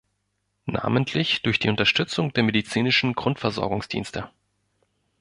Namentlich durch Untersützung der medizinischen Grundversorgungsdienste.